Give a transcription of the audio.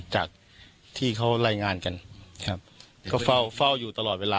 จากที่เขารายงานกันครับก็เฝ้าเฝ้าอยู่ตลอดเวลา